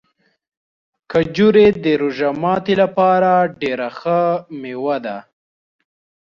کجورې د روژه ماتي لپاره ډېره ښه مېوه ده.